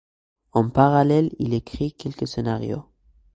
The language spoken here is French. En parallèle, il écrit quelques scénarios.